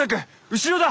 後ろだ！